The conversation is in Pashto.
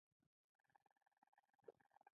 مړه ته د عذاب د خلاصون دعا کوو